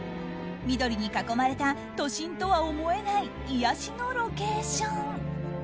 緑に囲まれた都心とは思えない癒やしのロケーション。